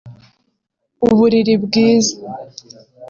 uburiri bwiza